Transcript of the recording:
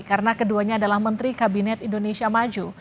karena keduanya adalah menteri kabinet indonesia maju